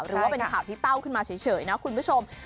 หรือว่าเป็นข่าวที่เต้าขึ้นมาเฉยนะคุณผู้ชม